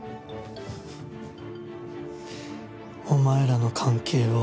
お前らの関係を。